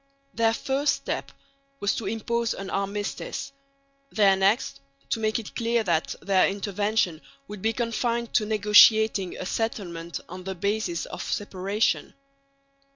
Their first step was to impose an armistice; their next to make it clear that their intervention would be confined to negotiating a settlement on the basis of separation.